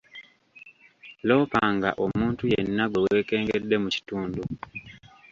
Loopanga omuntu yenna gwe weekengedde mu kitundu.